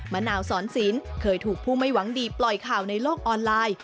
มะนาวสอนศิลป์เคยถูกผู้ไม่หวังดีปล่อยข่าวในโลกออนไลน์